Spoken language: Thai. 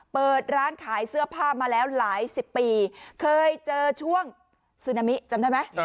เปิดร้านขายเสื้อผ้ามาแล้วหลายสิบปีเคยเจอช่วงซึนามิจำได้ไหม